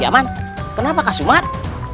ya aman kenapa kak sumat